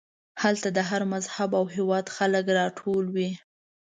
هلته د هر مذهب او هېواد خلک راټول وي.